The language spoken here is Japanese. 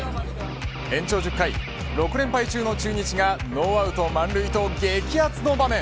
延長１０回、６連敗中の中日がノーアウト満塁と激アツの場面。